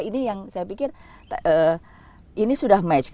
ini yang saya pikir ini sudah match